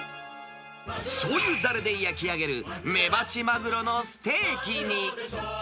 しょうゆだれで焼き上げる、メバチマグロのステーキに。